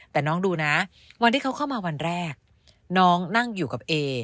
แต่น้องดูนะวันที่เขาเข้ามาวันแรกน้องนั่งอยู่กับเอ